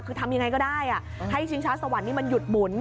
คือทำยังไงก็ได้ให้ชิงช้าสวรรค์นี้มันหยุดหมุน